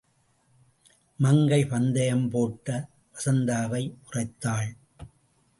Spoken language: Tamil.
மங்கை பந்தயம் போட்ட வசந்தாவை முறைத்தாள்.